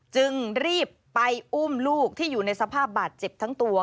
จึงรีบไปอุ้มลูกที่อยู่ในสภาพบาดเจ็บทั้งตัว